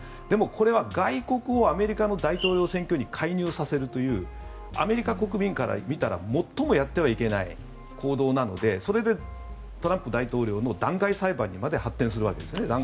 でも、これは外国をアメリカの大統領選挙に介入させるというアメリカ国民から見たら最もやってはいけない行動なのでそれでトランプ大統領の弾劾裁判にまで発展するわけですね。